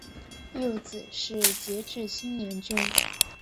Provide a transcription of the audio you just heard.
幼子是杰志青年军。